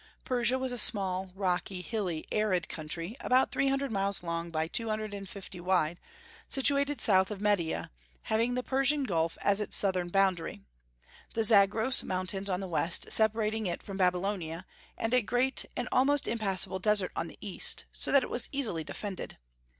Persia was a small, rocky, hilly, arid country about three hundred miles long by two hundred and fifty wide, situated south of Media, having the Persian Gulf as its southern boundary, the Zagros Mountains on the west separating it from Babylonia, and a great and almost impassable desert on the east, so that it was easily defended.